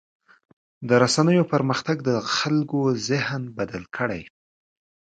د رسنیو پرمختګ د خلکو ذهن بدل کړی.